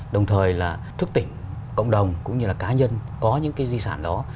đồng thời là thức tỉnh cộng đồng cũng như là cá nhân có những cái di sản đó